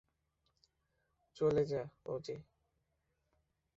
চলে যা, ওজে।